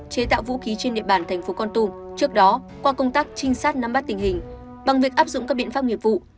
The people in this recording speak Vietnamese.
chế tạo vũ khí trên địa bàn thành phố con tum trước đó qua công tác trinh sát nắm bắt tình hình bằng việc áp dụng các biện pháp nghiệp vụ